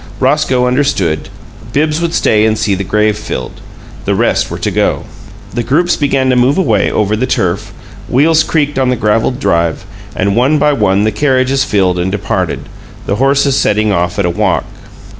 Roscoe understood Bibbs would stay and see the grave filled; the rest were to go. The groups began to move away over the turf; wheels creaked on the graveled drive; and one by one the carriages filled and departed, the horses setting off at a walk.